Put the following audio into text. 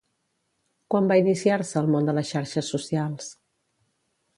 Quan va iniciar-se al món de les xarxes socials?